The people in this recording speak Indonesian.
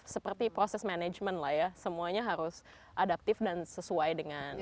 seperti proses manajemen lah ya semuanya harus adaptif dan sesuai dengan